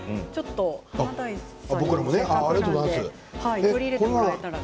華大さんに取り入れてもらえたらと。